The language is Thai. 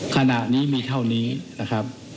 ขณะนี้มีเท่านี้นะครับ